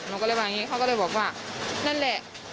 หนูก็เลยว่าอย่างนี้เขาก็เลยบอกว่านั่นแหละ